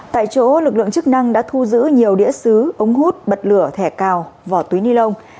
tại chỗ lực lượng chức năng đã thu giữ nhiều đĩa xứ ống hút bật lửa thẻ cào vỏ túi ni lông